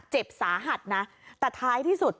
เจ็บสาหัสนะแต่ท้ายที่สุด